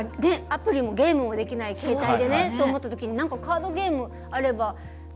アプリもゲームもできない携帯でねって思ったときになんかカードゲームあれば。